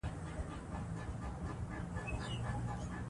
په دنیا کی عدالت قایم او ظلم د ځمکی له مخ څخه ورک سی